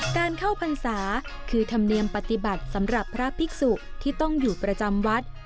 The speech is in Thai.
การเข้าพรรษาคือธรรมเนียมปฏิบัติสำหรับพระภิกษุที่ต้องอยู่ประจำวัด